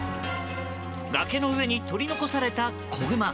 崖の上に取り残された子グマ。